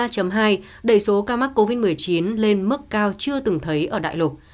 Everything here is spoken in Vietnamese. đa số ca mắc covid một mươi chín lên mức cao chưa từng thấy ở đại lục